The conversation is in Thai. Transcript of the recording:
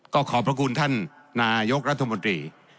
ก็ขอบพระคุณท่านนายกรัฐมนตรี